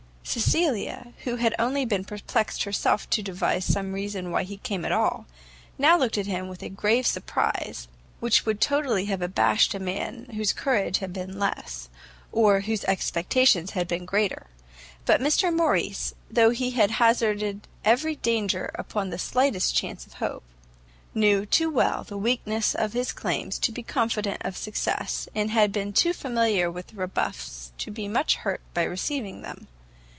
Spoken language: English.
Cecilia, who had only been perplexing herself to devise some reason why he came at all, now looked at him with a grave surprize, which would totally have abashed a man whose courage had been less, or whose expectations had been greater; but Mr Morrice, though he had hazarded every danger upon the slightest chance of hope, knew too well the weakness of his claims to be confident of success, and had been too familiar with rebuffs to be much hurt by receiving them.